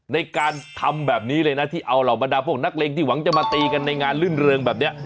ในการทำแบบนี้เลยนะที่เอาเหล่าบรรดาพวกนักเลงที่หวังจะมาตีกันในงานลื่นเริงแบบนี้